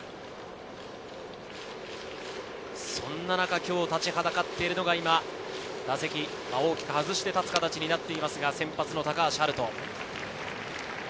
今日立ちはだかっているのが今、打席大きく外して立つ形になっている先発・高橋遥人。